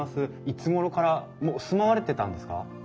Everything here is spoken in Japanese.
いつごろからもう住まわれてたんですか？